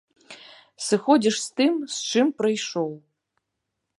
Сыходзіш з тым, з чым прыйшоў.